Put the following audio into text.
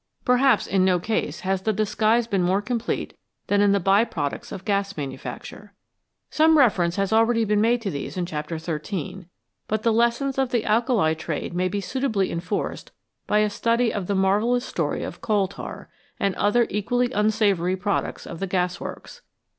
Perhaps in no case has the disguise been more complete than in the by products of gas manufacture. Some reference has already been made to these in chapter xiii., but the lessons of the alkali trade may be suitably enforced by a study of the marvellous story of coal tar, and other equally unsavoury products of the gasworks.